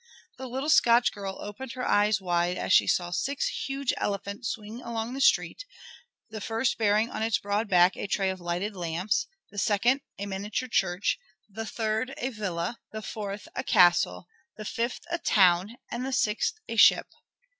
The little Scotch girl opened her eyes wide as she saw six huge elephants swing along the street, the first bearing on its broad back a tray of lighted lamps, the second a miniature church, the third a villa, the fourth a castle, the fifth a town, and the sixth a ship.